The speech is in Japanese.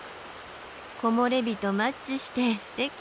木漏れ日とマッチしてすてき！